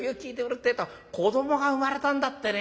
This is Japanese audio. ってえと子どもが生まれたんだってね。